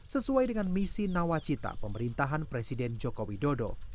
sesuai dengan misi nawacita pemerintahan presiden jokowi dodo